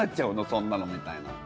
そんなのみたいな。